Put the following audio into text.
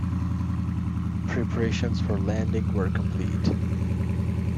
Preparations for landing were complete.